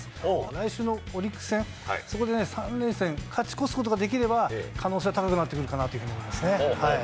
来週のオリックス戦、そこで３連戦勝ち越すことができれば、可能性高くなってくるかなと思います。